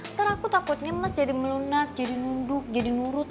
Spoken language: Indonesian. sekarang aku takutnya emas jadi melunak jadi nunduk jadi nurut